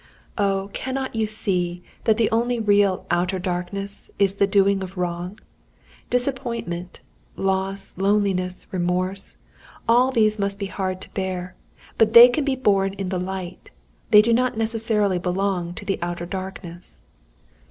"Oh, cannot you see that the only real 'outer darkness' is the doing of wrong? Disappointment, loss, loneliness, remorse all these may be hard to bear, but they can be borne in the light; they do not necessarily belong to the outer darkness.